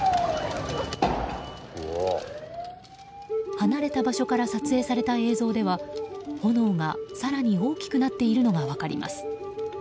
離れた場所から撮影された映像では炎が更に大きくなっているのが分かります。